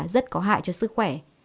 rất có hại cho sức khỏe